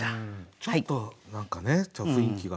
ちょっと何かね雰囲気が。